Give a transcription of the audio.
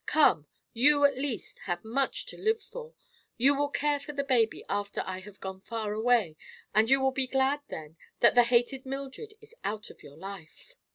Come; you, at least, have much to live for. You will care for the baby after I have gone far away, and you will be glad, then, that the hated Mildred is out of your life."